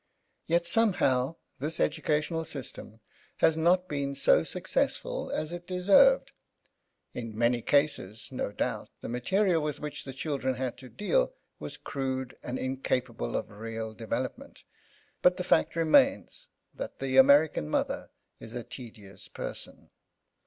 Yet, somehow, this educational system has not been so successful as it deserved. In many cases, no doubt, the material with which the children had to deal was crude and incapable of real development; but the fact remains that the American mother is a tedious person.